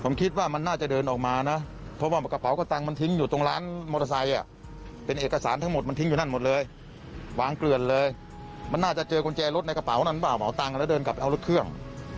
มานั่งกินร้าบอยู่ที่ร้านราบข้างที่เขาจะทำผู้หญิง